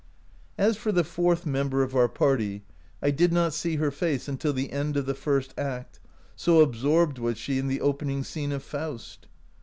" As for the fourth member of our party, I did not see her face until the end of the first act, so absorbed was she in the opening scene of ' Faust.'